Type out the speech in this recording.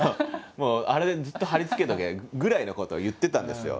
「あれずっと貼りつけとけ」ぐらいのことを言ってたんですよ。